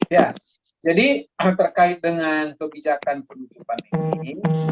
ya jadi terkait dengan kebijakan penutupan ini